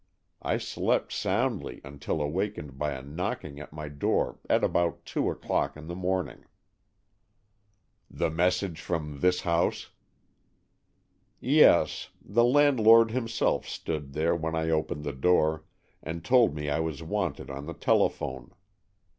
I slept soundly until awakened by a knocking at my door at about two o'clock in the morning." "The message from this house?" "Yes. The landlord himself stood there when I opened the door, and told me I was wanted on the telephone.